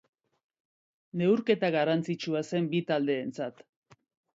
Neurketa garrantzitsua zen bi taldeentzat.